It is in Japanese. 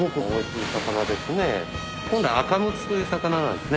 本来アカムツという魚なんですね。